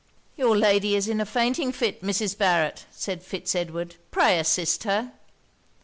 'Your lady is in a fainting fit, Mrs. Barret,' said Fitz Edward; 'pray assist her.'